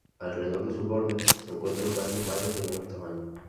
Alrededor de sus bordes se encuentran varios mares de menor tamaño.